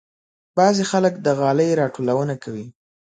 بعضې خلک د غالۍ راټولونه کوي.